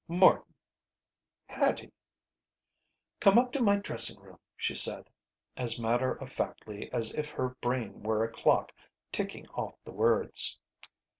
"Morton!" "Hattie." "Come up to my dressing room," she said, as matter of factly as if her brain were a clock ticking off the words.